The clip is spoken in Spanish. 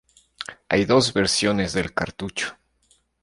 Hay dos versiones del cartucho.